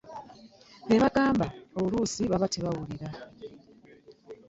Be bagamba baba oluusi tebawulira.